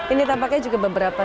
ini tampaknya juga beberapa